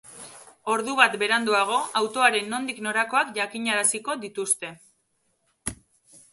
Ordu bat beranduago autoaren nondik norakoak jakinaraziko dituzte.